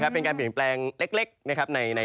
เป็นการเปลี่ยนแปลงเล็ก